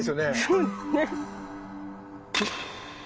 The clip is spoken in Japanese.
そうですね。